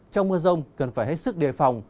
trong mưa rông cần phải hết sức đề phòng